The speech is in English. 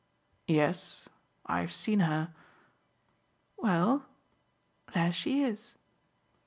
"Yes I've seen her." "Well, there she is."